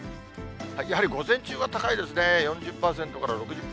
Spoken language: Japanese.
やはり午前中は高いですね、４０％から６０％。